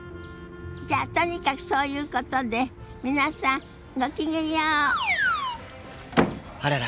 じゃとにかくそういうことで皆さんご機嫌よう。